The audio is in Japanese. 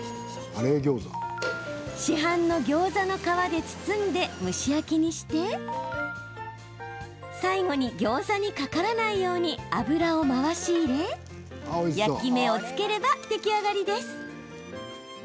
市販のギョーザの皮で包んで蒸し焼きにして最後にギョーザにかからないように油を回し入れ焼き目をつければ出来上がりです。